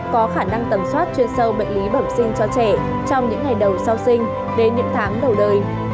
có khả năng tầm soát chuyên sâu bệnh lý bẩm sinh cho trẻ trong những ngày đầu sau sinh đến những tháng đầu đời